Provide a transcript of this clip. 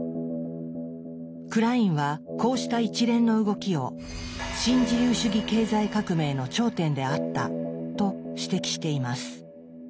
クラインはこうした一連の動きを「新自由主義経済革命の頂点であった」と指摘しています。